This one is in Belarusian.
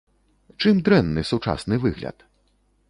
Чым дрэнны сучасны выгляд?